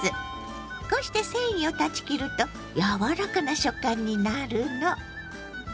こうして繊維を断ち切ると柔らかな食感になるの。